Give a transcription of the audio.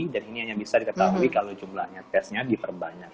dan ini hanya bisa diketahui kalau jumlahnya tesnya diperbanyak